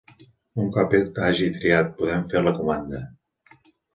Un cop hagi triat podem fer la comanda.